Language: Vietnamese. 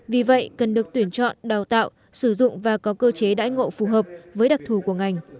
vì vậy cần được tuyển chọn đào tạo sử dụng và có cơ chế đãi ngộ phù hợp với đặc thù của ngành